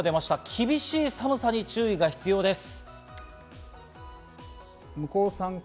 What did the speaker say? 厳しい寒さに注意が必要です。